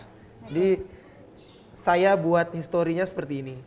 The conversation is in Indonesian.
jadi saya buat historinya seperti ini